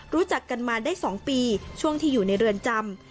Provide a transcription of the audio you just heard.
รู้จักกันมาได้๒ปีช่วงที่อยู่ในเรือนจำ